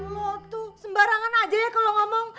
lo tuh sembarangan aja ya kalo ngomong